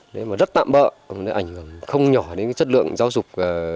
đấy mà rất tạm bỡ ảnh hưởng không nhỏ đến chất lượng giáo dục